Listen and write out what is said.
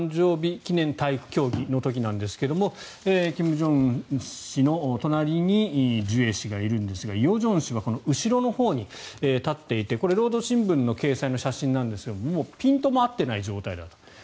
記念体育競技の時なんですが金正恩氏の隣にジュエ氏がいるんですが与正氏は後ろのほうに立っていて労働新聞掲載の写真ですがピントも合ってない状態だと。